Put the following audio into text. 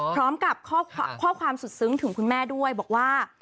พร้อมกับข้อความสุดซึ้งถึงคุณแม่ด้วยบอกว่า